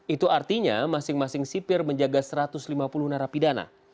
itu artinya masing masing sipir menjaga satu ratus lima puluh narapidana